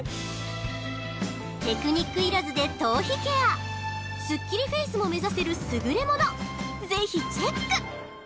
テクニックいらずで頭皮ケアスッキリフェースも目指せる優れものぜひチェック！